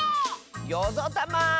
「よぞたま」！